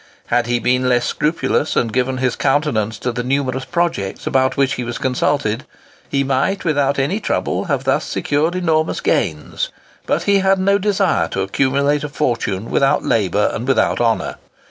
Had he been less scrupulous, and given his countenance to the numerous projects about which he was consulted, he might, without any trouble, have thus secured enormous gains; but he had no desire to accumulate a fortune without labour and without honour.